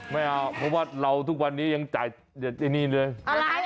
ไม่เอาเพราะว่าเราทุกวันนี้ยังจ่ายไอ้นี่เลย